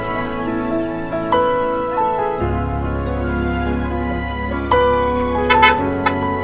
terima kasih juga